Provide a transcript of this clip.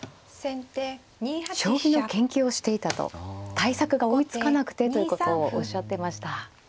対策が追いつかなくてということをおっしゃっていました。